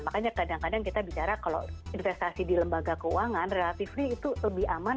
makanya kadang kadang kita bicara kalau investasi di lembaga keuangan relatif itu lebih aman